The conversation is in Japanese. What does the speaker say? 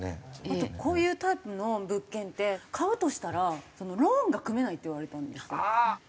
あとこういうタイプの物件って「買うとしたらローンが組めない」って言われたんですよ。